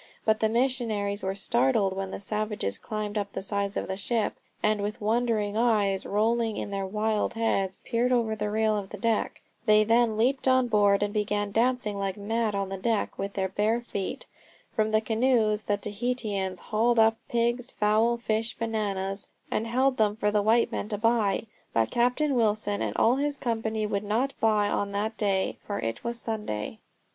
But the missionaries were startled when the savages climbed up the sides of the ship, and with wondering eyes rolling in their wild heads peered over the rail of the deck. They then leapt on board and began dancing like mad on the deck with their bare feet. From the canoes the Tahitians hauled up pigs, fowl, fish, bananas, and held them for the white men to buy. But Captain Wilson and all his company would not buy on that day for it was Sunday.